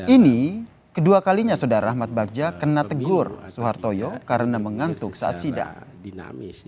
ini kedua kalinya saudara ahmad bakca kena tegur suhartoyo karena mengantuk saat sidang